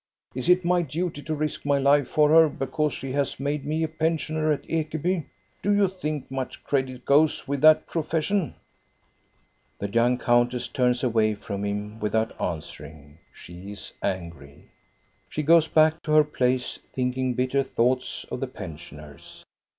Is it my duty to risk my life for her, because she has made me a pensioner at Ekeby? Do you think much credit goes with that profession ?" The young countess turns away from him without answering. She is angry. She goes back to her place thinking bitter thoughts of the pensioners.